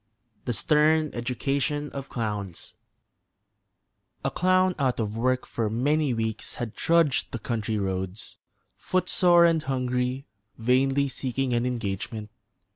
THE STERN EDUCATION OF CLOWNS A clown out of work for many weeks had trudged the country roads, footsore and hungry, vainly seeking an engagement.